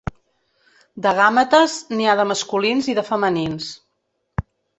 De gàmetes n'hi ha de masculins i de femenins.